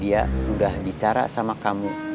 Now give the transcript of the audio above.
dia udah bicara sama kamu